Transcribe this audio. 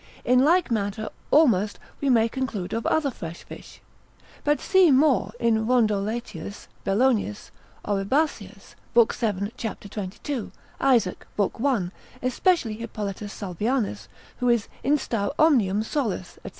In like manner almost we may conclude of other fresh fish. But see more in Rondoletius, Bellonius, Oribasius, lib. 7. cap. 22, Isaac, l. 1, especially Hippolitus Salvianus, who is instar omnium solus, &c.